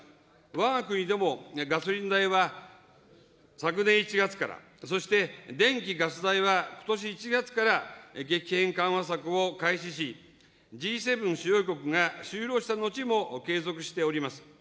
わが国でもガソリン代は、昨年１月から、そして、電気・ガス代はことし１月から激変緩和策を開始し、Ｇ７主要国が終了した後も継続しております。